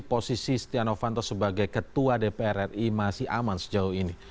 posisi setia novanto sebagai ketua dpr ri masih aman sejauh ini